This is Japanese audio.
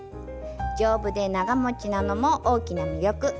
丈夫で長もちなのも大きな魅力。